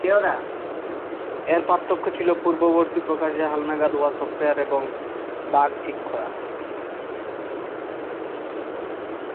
এর পার্থক্য ছিল পূর্ববর্তী প্রকাশে হালনাগাদ হওয়া সফটওয়্যার এবং বাগ ঠিক করা।